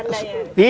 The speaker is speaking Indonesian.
kursi gak pak